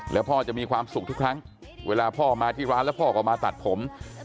แล้วพ่อจะมีความสุขทุกครั้งเวลาพ่อมาที่ร้านแล้วพ่อก็มาตัดผม